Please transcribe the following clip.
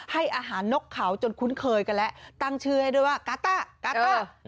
ให้อาหารนกเขาจนคุ้นเคยกันแล้วตั้งชื่อให้ด้วยว่ากาต้ากาต้า